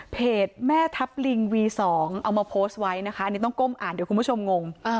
แม่ทัพลิงวี๒เอามาโพสต์ไว้นะคะอันนี้ต้องก้มอ่านเดี๋ยวคุณผู้ชมงง